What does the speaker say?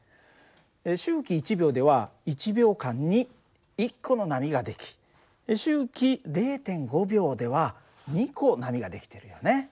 周期１秒では１秒間に１個の波が出来周期０．５秒では２個波が出来てるよね。